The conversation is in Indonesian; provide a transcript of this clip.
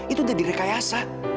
itu udah direkayasa